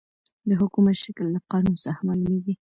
د حکومت شکل د قانون څخه معلوميږي.